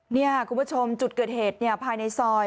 นี่ค่ะคุณผู้ชมจุดเกิดเหตุภายในซอย